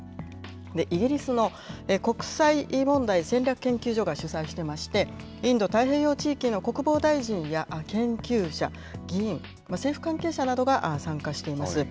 イギリスの国際問題戦略研究所が主催していまして、インド太平洋地域の国防大臣や研究者、議員、政府関係者などが参加しています。